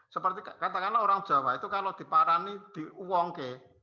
seperti katakanlah orang jawa itu kalau diparani di uongke